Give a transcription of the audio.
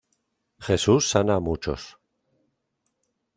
Jesús sana a muchos.